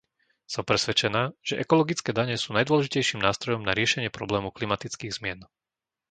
Som presvedčená, že ekologické dane sú najdôležitejším nástrojom na riešenie problému klimatických zmien.